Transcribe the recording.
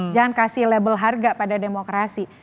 jangan kasih label harga pada demokrasi